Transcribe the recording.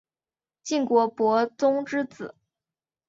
晋国伯宗之子。